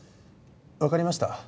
わかりました。